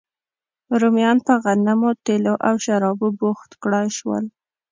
رومیان په غنمو، تېلو او شرابو بوخت کړای شول